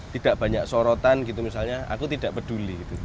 tidak banyak sorotan gitu misalnya aku tidak peduli